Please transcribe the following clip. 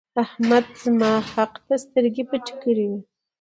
احمد زما حق ته سترګې پټې کړې وې.